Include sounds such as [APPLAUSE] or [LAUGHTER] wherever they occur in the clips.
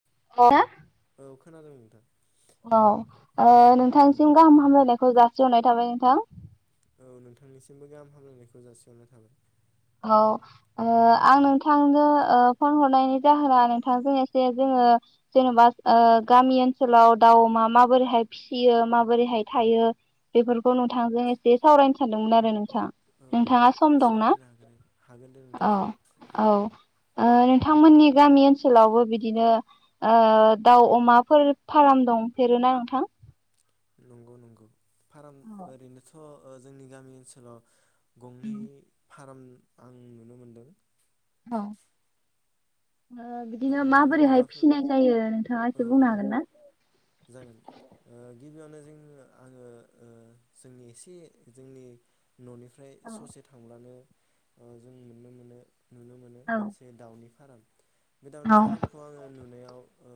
[UNINTELLIGIBLE] औ खोनादों नोंथां। औ ओ नोंथांसिम गाहाम हामलायनायखौ जासिहरनाय थाबाय नोंथां। औ नोंथांनिसिमबो गाहाम हामलायनायखौ जासिहरनाय थाबाय। औ आं नोंथांनो ओ फन हरनायनि जाहोना नोंथांजों एसे जोङो जेन'बा ओ गामि ओनसोलाव दाउ मा माबोरैहाय फिसियो माबोरैहाय थायो बेफोरखौ नोंथांजों एसे सावरायनो सानदोंमोन आरो नोंथां। औ औ नोंथाङा सम दंना? सावरायनो हागोन हागोन दे अ नोंथां औ। ओ नोंथांमोननि गामि ओनसोलावबो बिदिनो ओ दाउ अमाफोर फार्म दंफेरोना नोंथां? नंगौ नंगौ। फार्म ओरैनोथ'। ओ जोंनि गामि ओनसोलाव उम। गंनै फार्म आं नुनो मोनदों। औ। ओ औ बिदिनो नोंथाङा माबोरैहाय माबाफोर फिसिनाय जायो नोंथाङा औ एसे बुंनो औ हागोन ना? जागोन ओ गिबियावनो जोङ आङो जोंनि एसे जोंनि न'निफ्राय औ ससे थांब्लानो ओ जों नुनो मोनो। नुनो मोनो औ मोनसे दाउनि फाराम। बे औ दामनि फार्खौ आङो नुनायाव दाउ ओ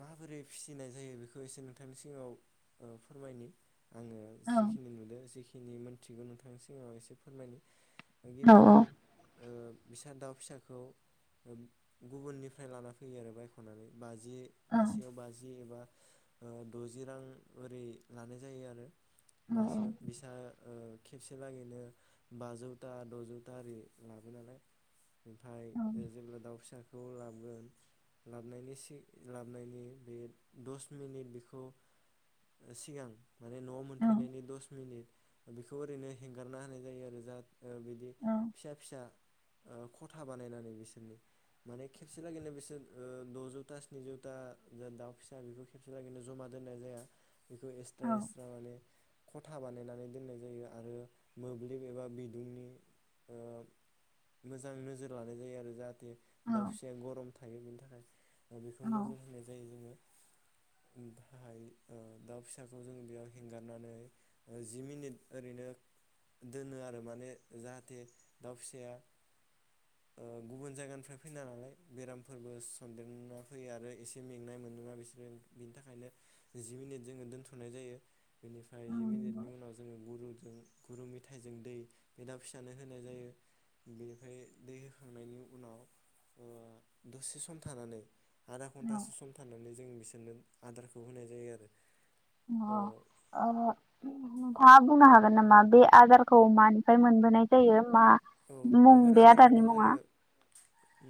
माबोरै फिसिनाय जायो बेखौ एसे नोंथांनि सिगाङाव ओ फोरमायनि। आङो औ जिखिनि नुदों जिखि खिनि मोनन्थिरिगो नोंथांनि सिगाङाव एसे फोरमायनि। औ गिबिआवनो ओ बिसा दाउ फिसाखौ गुबुननिफ्राय लाना फैयो आरो बायख'नानै बाजि औ मासेयाव बाजि एबा ओ द'जि रां ओरै लानाय जायो आरो। औ मासेयाव बिसा ओ खेबसे लागैनो बाजौथा द'जौथा ओरै लाबो नालाय। ओमफ्राय जेब्ला दाउ फिसा खौ लाबगोन लाबनायनि सि लाबबनायनि बे दस मिनिट बेखौ सिगां माने न'आव औ मोनफैनायनि दस मिनिट बेखौ ओरैनो हेंगारना होनाय जायो आरो जा बिदि फिसा फिसा खथा बानायनानै बिसोरनि माने खेबसे लागैनो बिसोर ओ दजौथा दजौथा दा दाउ फिसा बेखौ खेबसे लागिनो जमा दोननाय जाया बेखौ एसथ्रा औ एसथ्रा माने खथा बानायनानै दोननाय जायो आरो मोब्लिब एबा बिदुंनि ओ मोजां नोजोर लानाय जायो आरो जाहाथे दाउ फिसाया गरम थायो बेनि थाखाय। दा बेखौ औ नोजोर होनाय जायो जोंङो। ओमफाय ओ दाउ फिसाखौ जों बेयाव हेंगारनानै ओ जि मिनिट ओरैनो दोनो आरो माने जाहाथे दाउ फिसाया ओ गुबुन जायगानिफ्राय फैना नालाय बेरामफोरबो सनदेरना फैयो आरो एसे मेंनाय मोन ना बिसोरो बिनि थाखायनो जि मिनिट जोंङो दोनथनाय जायो। बिनिफ्राय जि नंगौ मिनिटनि उनाव जोङो गुरु जों गुरु मेथाइजों दै बे दाउ फिसानो होनाय जायो बेनिफ्राय दै होखांनायनि उनाव ओ दसे सम थानानै आधा घन्टासो सम थानानै जों मिस बिनो आदारखौ होनाय जायो आरो ओ [UNINTELLIGIBLE] ओ नोंथाङा बुंनो हाग [UNINTELLIGIBLE] नामा बे आदारखौ मानिफाय मोनबोनाय जायो मा औ मुं बेफोर बे आदारखौथ' आदारनि मुङा? जोङो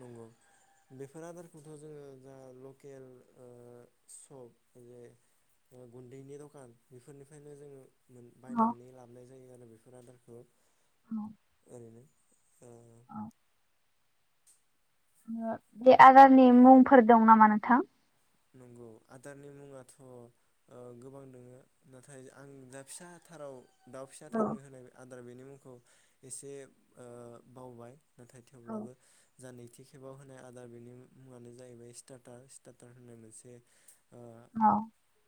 नंगौ बेफोर आदारखौथ' जोंङो जा लकेल ओ सप जे गुन्दैनि दखान बेफोरनिफ्रायनो जोंङो मोन औ बायनानै लाबोनाय [UNINTELLIGIBLE] बेफोर आदारखौ औ बिनो ओ औ बे आदारनि मुंफोर दं नामा नोंथां? नंगौ आदारनि मुङाथ' ओ गोबां दोङो नाथाय आं दा फिसाथाराव दाउ फिसा औ थारनो होनाय आद आदार बेनि मुंखौ एसे ओ बावबाय नाथाय औ थेवब्लाबो जा नैथि खेबाव होनाय आदार बेनि मुङानो जाहैबाय स्टार्टार स्टार्टार। होननाय मोनसे ओ औ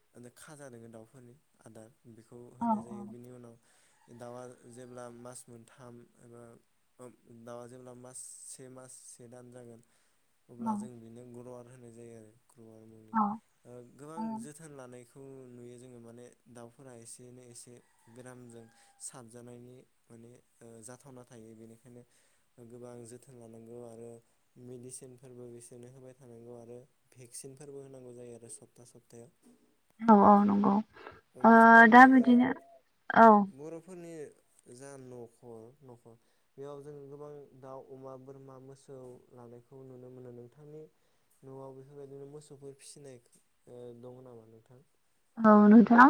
[UNINTELLIGIBLE] खाजा दङ दाउफोरनि आदार बेखौ औ होनाय जायो बिनि उनाव दाउआ जेब्ला मास मोनथाम एबा ओब दाउआ जेब्ला मास से मास से दान जागोन अब्ला जों बिनो गुरुआथ होनाय जायो आरो औ [UNINTELLIGIBLE] गोबां जोथोन लानायखौ नुयो जोंङो माने दाउफोरा एसेनै एसे बेरामजों साबजानायनि माने ओ जाथावना थायो बेनिखायनो गोबां जोथोन लानांगौ आरो मेडिसिनफोरबो बिसोरनो होबाय थानांगौ आरो भेक्सिनफोरबो होनांगौ जायो आरो सप्ता सप्तायाव। औ औ नंगौ औ ओ दा बेफोरबायदिनो ओ बिदिनो औ बर'फोरनि जा नखर नखर बेयाव जों गोबां दाउ अमा बोरमा मोसौ लानायखौ नुनो मोनो नोंथांनि न'आव बेफोरबायदिनो मोसौफोर फिसिनाय ओ दङ नामा नोंथां? औ नोंथां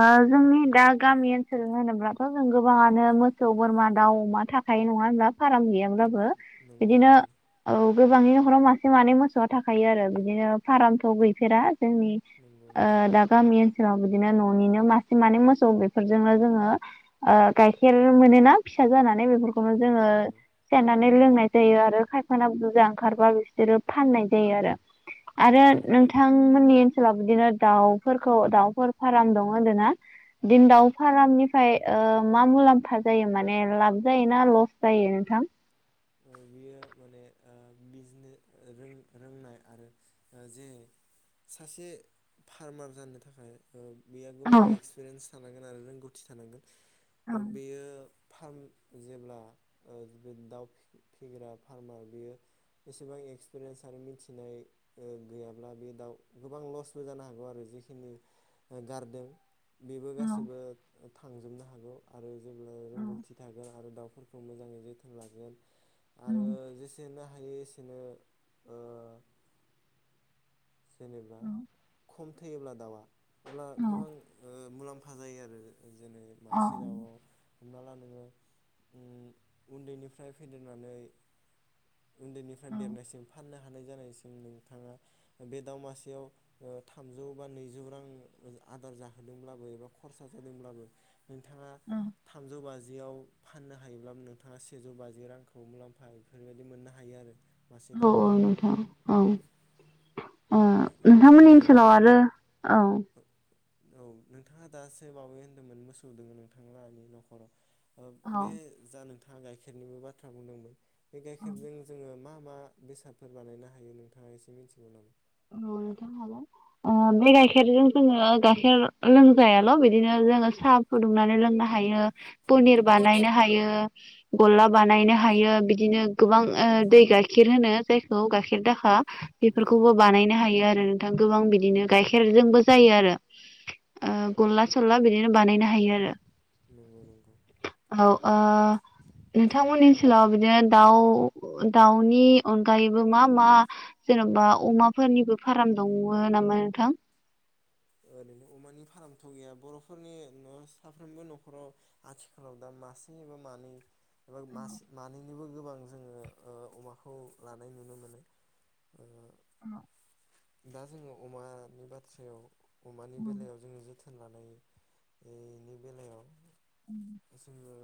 ओ जोंनि दा गामि ओनसोल होनोब्लाथ' जों गोबाङानो मोसौ बोरमा दाउ अमा थाखायो नङा होनब्ला फाराम गैयाब्लाबो नंगौ बिदिनो नंगौ औ गोबाङैनो न'खराव मासे मानै मोसौआ थाखायो आरो बिदिनो फारामथ' गैफेरा जोंनि नंगौ ओ नंगौ दा ओनसोलाव बिदिनो न'निनो मासे मानै मोसौ बेफोरजोंनो जोङो ओ गाइखेर मोनोना फिसा जानानै बेफोरखौनो जोङो नंगौ नंगौ सेरनानै लोंनाय जायो आरो खायफाना बुरजा ओंखारबा बिसोरो फाननाय जायो आरो आरो औ औ नोंथांमोननि ओनसोलाव बिदिनो दाउ फोरखौ दाउफोर फाराम दं होनदोना बिदिनो दाउ फारामनिफ्राय ओ मा मुलाम्फा जायो माने लाब जायो ना लस जायो नोंथां? बियो माने ओ बिजने रों रोंनाय आरो ओ जे सासे फार्मार जानो थाखाय ओ बेयो गोबां औ एक्सपिरियेन्स थानांगोन आरो रोंगौथि थानांगोन औ ओ बेयो फार्म जेब्ला ओ बे दाउ फिग्रा फार्मार बियो एसेबां एक्सपिरियेन्स आरो मिथिनाय गैयाब्ला ओ बे दाउ गोबां लसबो जानो हागौ आरो जिखिनि गारदों। बेबो गासैबो थांजोबनो हागौ आरो जेब्ला रोंगौथि थागोन आरो दाउ फोरखौ मोजाङै जोथोन लागोन आरो जेसेनो हायो एसेनो ओ जेनेबा खम थैयोब्ला दावया अब्ला गोबां ओ मुलाम बा जायो आरो जेरै मासे दावआव हमना ला नोङो उम उन्दैनिफ्राय फेदेरनानै उन्दैनिफ्राय देरनायसिम फाननो हानाय जानायसिम नोंथाङा बे दाव मासेयाव ओ थामजौ बा नैजौ रां आदार जाहोदोंब्लाबो एबा खरसा जादोंब्लाबो नोंथाङा थामजौ बाजि सेयाव फाननो हायोब्ला नोंथाङा सेजौ बाजि रांखौ मुलाम्फा बेफोरबायदि मोननो हायो आरो मासे औ औ दाउआव नोंथां औ। अ नोंथांमोननि बिदिनो नों ओनसोलाव आरो औ। औ नोंथाङा दासोबावै होन्दोंमोन मोसौ दङ नोंथांलाहानि न'खराव ओ औ बे जानो थाङा गाइखेरनिबो बाथ्रा बुंदोंमोन। बे औ गाइखेरजों जोङो मा मा बेसादफोर बानायनो हायो नोंथाङा एसे मिथिगौ नामा? औ नोंथां हागोन बे गाइखेरजों जोङो गाइखेर लोंजायाल' बिदिनो जोङो साहा फुदुंनानै लोंनो हायो पनिर बानायनो हायो। गल्ला बानायनो हायो बिदिनो गोबां दै गाइखेर होनो जायखौ गाइखेर दाखा नोंंगौ बेफोरखौबो नोंगौ। बानायनो हायो आरो नोंथां गोबां बिदिनो गाइखेरजोंबो जायो आरो ओ गल्ला सल्ला बिदिनो बानायनो हायो आरो। नोंगौ नोंगौ। औ ओ नोंथांमोननि ओनसोलाव बिदिनो दाउ दाउनि अनगायैबो मा मा जेनेबा अमा फोरनिबो फार्म दङ नामा नोंथां? ओरैनो अमानि फार्मथ' गैया बर'फोरनि न' साफ्रोमबो न'खराव आथिखालाव दा मासे एबा मानै एबा मासे मानै निबो गोबां जोङो ओ अमाखौ लानाय नुनो मोनो ओ औ। दा जोङो अमानि बाथ्रायाव अमानि बेलायाव जोङो जोथोन लानायनि बेलायाव जोङो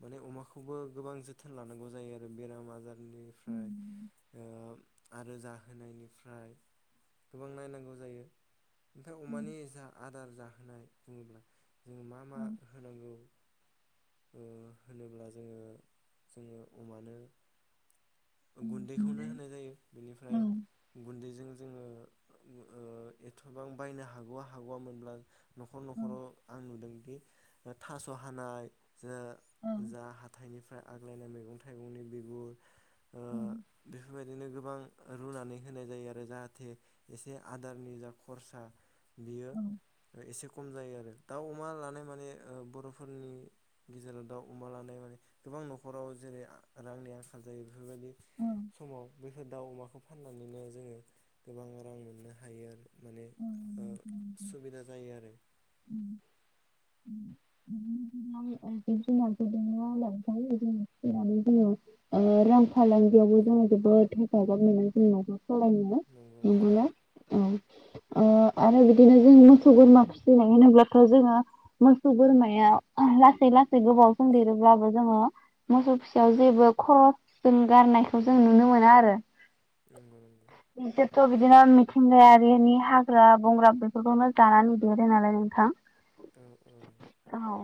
माने अमाखौबो गोबां जोथोन लानांगौ जायो आरो बेराम आजार बेनिफ्राय ओ आरो जाहोनायनिफ्राय गोबां नायनांगौ जायो। ओमफ्राय अमानि जा आदार जाहोनाय बुङोब्ला जों मा मा होनांगौ ओ होनोब्ला जोङो जोङो अमानो गुन्दैखौनो होनाय जायो बेनिफ्राय गुन्दैजों जोङो ओ एथ'बां बायनो हागवा हागवा मोनब्ला न'खर न'खराव आं नुदों बि थास' हानाय जो जा हाथाइनिफ्राय आग्लायनाय मैगं थाइगंनि बिगुर ओ बेफोरबाय दिनो गोबां रुनानै होनाय जायो आरो जाहाथे एसे आदारनि जा खरसा बियो एसे खम जायो आरो दाउ अमा लानाय माने ओ बर'फोरनि गेजेराव दाउ अमा लानाय माने गोबां न'खराव जेरै रांनि आंखाल जायो। बेफोरबायदि समाव बे दाउ अमाखौ फाननानैनो जोङो गोबां रां मोननो हायो आरो माने ओ सुबिदा जायो आरो [UNINTELLIGIBLE] जिब जुनारफोर दङ' नोंथां जोङो फिनानै [UNINTELLIGIBLE] रां फालांगियावबो जोङो जोबोद हेफाजाब मोनो नंगौ जोंनावबो नंगौ [UNINTELLIGIBLE] औ ओ आरो इगोदैनो जोङो मोसौ बोरमा फिसिनाय होनोब्लाथ' जोङो मोसौ बोरमाया लासै लासै गोबाव सम लिरोब्लाबो जोङो मोसौ फिसा जायोब्ला खरस जों गारनायखौ जों नुनो मोना आरो नंगौ नंगौ। बिसोरथ' बिदिनो मिथिंगायारिनि हाग्रा बंग्रा बेफोरखौनो जानानै देरो नालाय नोंथां। औ औ औ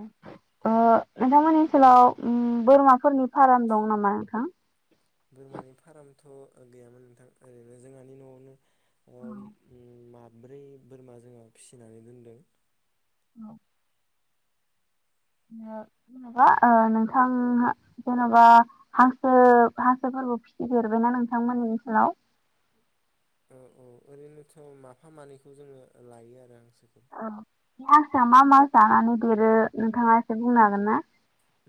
ओ नोंथांमोननि ओनसोलाव ओम बोरमाफोरनि फाराम दं नामा नोंथां? बोरमानि फारामथ' गैयामोन नोंथां ओरैनो जोंहानि न'आवनो ओम ओ मा ब्रै बोरमा जोंहा फिसिनानै दोनदों। ओ जेनेबा ओ नोंथां जेन'बा हांसो हांसोफोरबो फिसिफेरबायना नोंथांमोननिनि ओनसोलाव? औ औ ओरैनोथ' माफा मानैखौ जोङो लायो आरो हा़ं बे हांसोआ मा मा जानानै देरो नोंथाङा एसे बुंनो हागोन ना?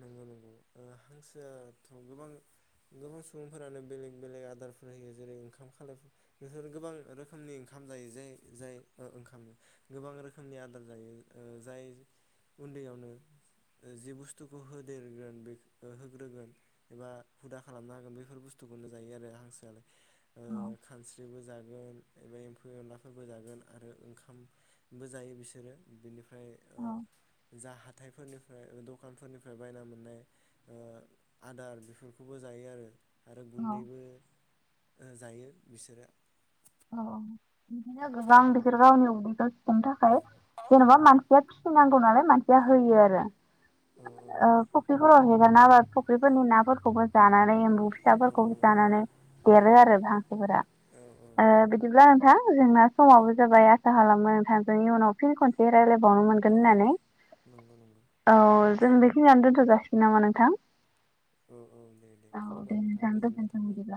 नंगौ नंगौ ओ हांसोआथ' गोबां गोबां सुबुंफोरानो बेलेग बेलेग आदारफोर होयो। जेरै ओंखाम खालायफो बेफोर गोबां रोखोमनि ओंखाम जायो जे जाय जाय ओ ओंखामनो गोबां रोखोमनि आदार जायो ओ जाय उन्दैयावनो जि बुस स्थुखौ होदेरगोन होग्रोगोन एबा हुदा खालामना होगोन बेफोर बुस्थुखौनो जायो आरो हांसोआलाय। ओ खानस्रिबो जागोन एबा एम्फौ एनलाफोरबो जागोन आरो ओंखामबो जायो बिसोरो। बेनि फ्राय ओ जा हा थायफोरनिफ्राय ओ द खानफोरनिफ्राय बायना मोननाय ओ आदार बेफोरखौबो जायो आरो आरो गुन्दैबो ओ जायो बिसोरो। अ बिदिनो गोबां बिफोर गावनि उदैखो सुफुंनो था खाय औ जेनबा मान [UNINTELLIGIBLE] फिसिनांगौ नालाय मानसिया होयो आरो औ ओ फख्रि फोराव है [UNINTELLIGIBLE] फुख्रिफोरनि नाफोरखौबो जानानै एम्बु फिसाफोरखौ नंगौ नंगौ जानानै देरो आरो हांसोफोरा औ औ ओ बिदिब्ला नोंथां जोंना समावबो जाबाय आसा खालामो नोंथांजों इयुनाव फिन खनसे रायलायबावनो मोनगोन होननानै। नंगौ नंगौ औ जों बेखिनियावनो दोनथ' जाासिगोन नामा नोंथां? औ औ दे दे औ खुलुमबाय नोंथां गोजोननाय गोजोनथों थाबाय। बिदिब्ला।